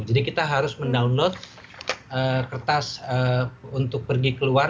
jadi kita harus mendownload kertas untuk pergi keluar